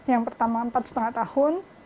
anak saya yang pertama empat lima tahun